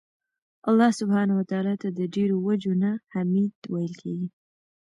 الله سبحانه وتعالی ته د ډيرو وَجُو نه حــمید ویل کیږي